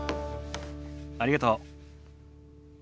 ありがとう。